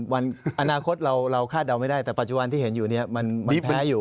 วันอนาคตเราคาดเดาไม่ได้แต่ปัจจุบันที่เห็นอยู่เนี่ยมันแพ้อยู่